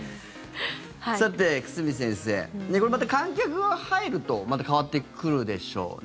さて、久住先生、観客が入るとまた変わってくるでしょうね。